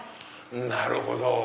なるほど。